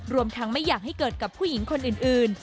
รวมทั้งไม่อยากให้เกิดกับผู้หญิงคนอื่น